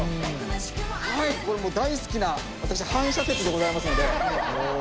はいこれもう大好きな私反射鉄でございますので。